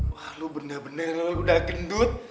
wah lu bener bener udah gendut